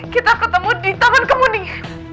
kita ketemu di tangan kemuning